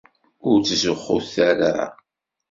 Ur ttzuxxut ara!